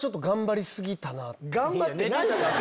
頑張ってないやん！